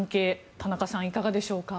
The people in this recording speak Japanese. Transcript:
田中さん、いかがでしょうか。